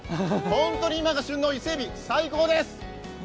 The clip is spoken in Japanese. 本当に今が旬の伊勢えび、最高です！